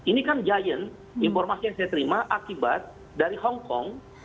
ini kan giant informasi yang saya terima akibat dari hongkong